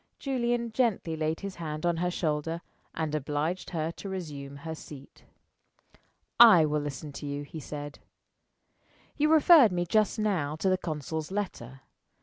Julian gently laid his hand on her shoulder and obliged her to resume her seat. "I will listen to you," he said. "You referred me just now to the consul's letter.